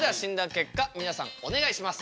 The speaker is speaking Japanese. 結果皆さんお願いします。